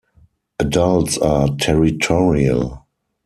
Adults are territorial.